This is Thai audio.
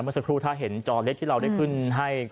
เมื่อสักครู่ถ้าเห็นจอเล็กที่เราได้ขึ้นให้